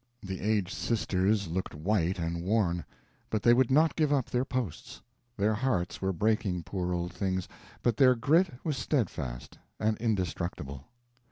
The aged sisters looked white and worn, but they would not give up their posts. Their hearts were breaking, poor old things, but their grit was steadfast and indestructible.